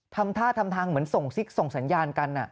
ทำท่าทำทางเหมือนส่งซิกส่งสัญญาณกัน